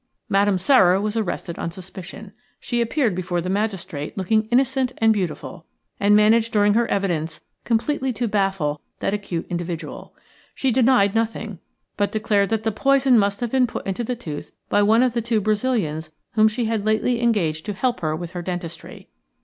Madame Sara was arrested on suspicion. She appeared before the magistrate, looking innocent and beautiful, and managed during her evidence completely to baffle that acute individual. She denied nothing, but declared that the poison must have been put into the tooth by one of the two Brazilians whom she had lately engaged to help her with her dentistry.